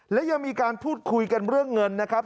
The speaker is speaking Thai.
และยังมีการพูดคุยกันเรื่องเงินนะครับ